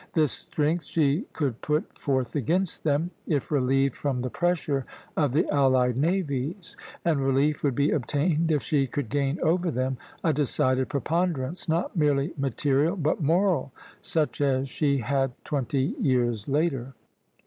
This strength she could put forth against them, if relieved from the pressure of the allied navies; and relief would be obtained if she could gain over them a decided preponderance, not merely material but moral, such as she had twenty years later.